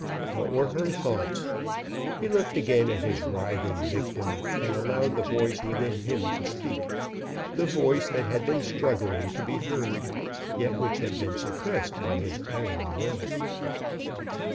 What were her thoughts? He looked again at his writhing victim, and allowed the voice within him to speak the voice that had been struggling to be heard, yet which had been suppressed by his iron will.